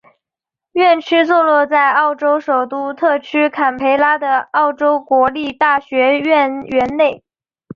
院区座落在澳洲首都特区坎培拉的澳洲国立大学校园内。